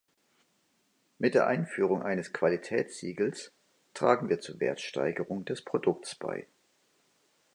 Mit der Einführung eines Qualitätssiegels tragen wir zur Wertsteigerung des Produkts bei.